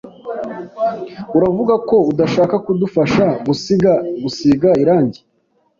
Uravuga ko udashaka kudufasha gusiga irangi?